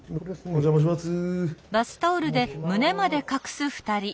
お邪魔します。